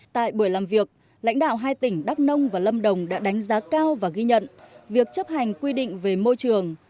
tại buổi làm việc lãnh đạo hai tỉnh đắk nông và lâm đồng đã đánh giá cao và ghi nhận việc chấp hành quy định về môi trường